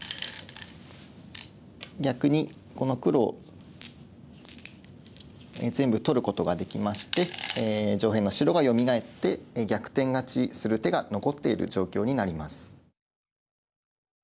逆にこの黒を全部取ることができまして上辺の白がよみがえって逆転勝ちする手が残っている状況になります。